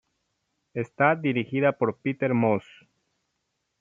Está dirigida por Peter Moss.